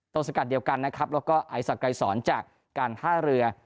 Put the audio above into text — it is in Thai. สกัดเดียวกันนะครับแล้วก็ไอศักดายสอนจากการท่าเรือ